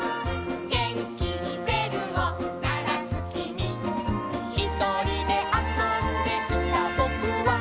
「げんきにべるをならすきみ」「ひとりであそんでいたぼくは」